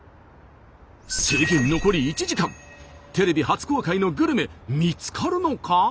制限残り１時間テレビ初公開のグルメ見つかるのか？